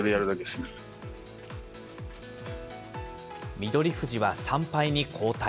翠富士は３敗に後退。